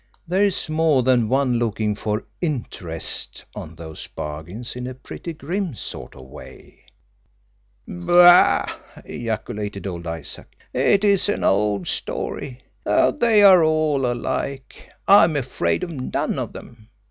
There's more than one looking for 'interest' on those bargains in a pretty grim sort of way." "Bah!" ejaculated old Isaac. "It is an old story. They are all alike. I am afraid of none of them.